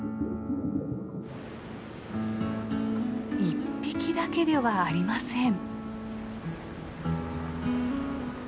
一匹だけではありません。